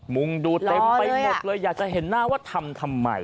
มุงดูเต็มไปหมดเลยอยากจะเห็นหน้าว่าทำทำไม